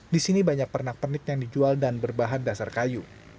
di sini banyak pernak pernik yang dijual dan berbahan dasar kayu